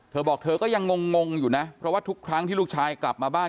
เธอบอกเธอก็ยังงงอยู่นะเพราะว่าทุกครั้งที่ลูกชายกลับมาบ้าน